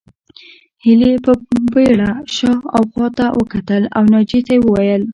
هيلې په بېړه شا او خواته وکتل او ناجيې ته وویل